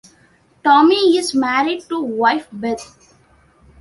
Tommy is married to wife Beth.